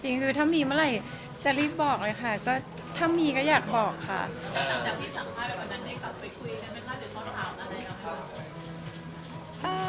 หลังจากที่สั่งให้ไปคุยให้เมื่อคราวอะไรล่ะคะ